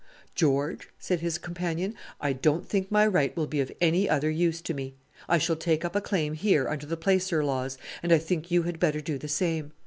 "George," said his companion, "I don't think my right will be of any other use to me. I shall take up a claim here under the placer laws, and I think you had better do the same."